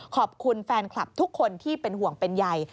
ขอบคุณแฟนคลับทุกคนที่เป็นห่วงเป็นใย